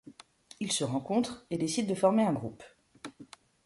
Ils se rencontrent et décident de former un groupe.